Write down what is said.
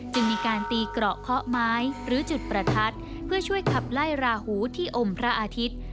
จึงมีการตีเกราะเคาะไม้หรือจุดประทัดเพื่อช่วยขับไล่ราหูที่อมพระอาทิตย์